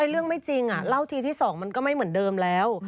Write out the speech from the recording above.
เรื่องไม่จริงเล่าทีที่๒มันก็ไม่เหมือนเดิมแล้ว